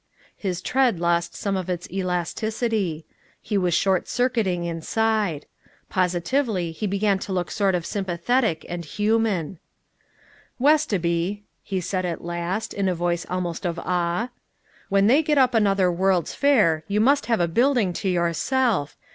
His tread lost some of its elasticity. He was short circuiting inside. Positively he began to look sort of sympathetic and human. "Westoby," he said at last, in a voice almost of awe, "when they get up another world's fair you must have a building to yourself.